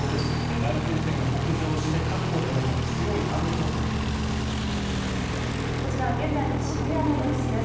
梅雨前線が北上して関東では今、強い雨となっています。